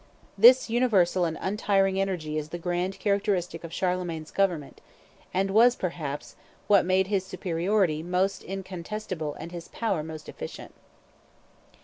This universal and untiring energy is the grand characteristic of Charlemagne's government, and was, perhaps, what made his superiority most incontestable and his power most efficient.